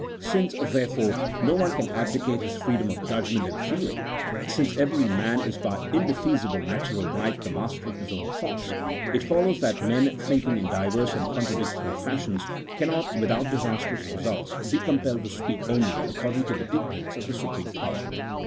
Since, therefore, no one can abdicate his freedom of judg ment and feeling ; since every man is by indefeasible natu ral right the master of his own thoughts, it follows that men thinking in diverse and contradictory fashions, cannot, without disastrous results, be compelled to speak only according to the dictates of the supreme power.